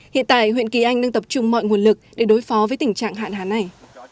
hiện tại huyện kỳ anh đang tập trung mọi nguồn lực để đối phó với tình trạng hạn hán này